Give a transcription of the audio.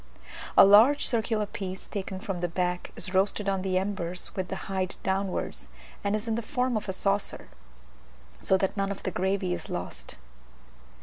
A large circular piece taken from the back is roasted on the embers with the hide downwards and is the form of a saucer, so that none of the gravy is lost.